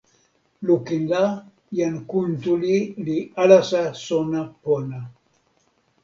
lukin la, jan Kuntuli li alasa sona pona.